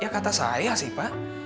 ya kata saya sih pak